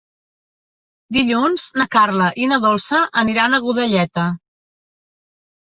Dilluns na Carla i na Dolça aniran a Godelleta.